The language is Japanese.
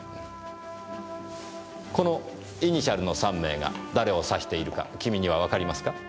このイニシャルの３名が誰を指しているか君にはわかりますか？